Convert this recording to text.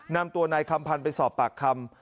นำตัวนายคำพันธ์ไปสอบปากคำ